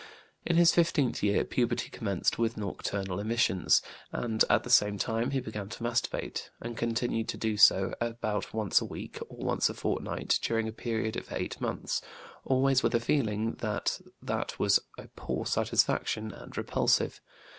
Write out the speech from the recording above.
In his fifteenth year puberty commenced with nocturnal emissions, and, at the same time, he began to masturbate, and continued to do so about once a week, or once a fortnight, during a period of eight months; always with a feeling that that was a poor satisfaction and repulsive.